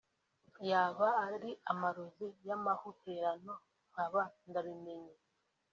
yaba ari amarozi y’amahuherano nkaba ndabimenye